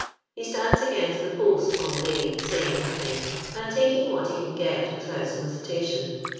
He stands against the post all day, saying no thing, and taking what he can get without solicitation.